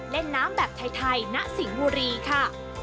เล่นน้ำแบบไทยณสิงห์บุรีค่ะ